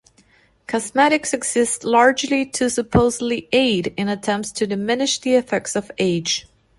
Cosmetics exist largely to supposedly aid in attempts to diminish the effects of age.